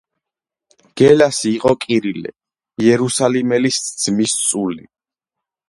გელასი იყო კირილე იერუსალიმელის ძმისწული.